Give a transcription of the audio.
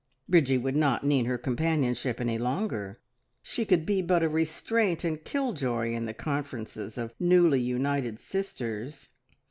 Bridgie would not need her companionship any longer; she could be but a restraint and kill joy in the conferences of newly united sisters.